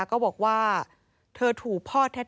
ก็บอกว่าเธอถูกพ่อแท้